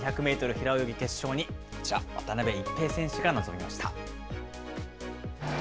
平泳ぎ決勝に、こちら、渡辺一平選手が臨みました。